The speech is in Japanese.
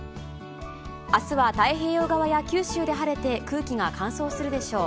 あすは太平洋側や九州で晴れて、空気が乾燥するでしょう。